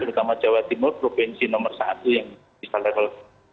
terutama jawa timur provinsi nomor satu yang bisa level dua